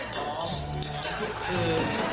ก็จะหอมทุกคืน